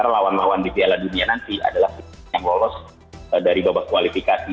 lawan lawan di piala dunia nanti adalah yang lolos dari babak kualifikasi